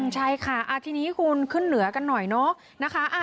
ใช่ค่ะทีนี้คุณขึ้นเหนือกันหน่อยเนอะนะคะ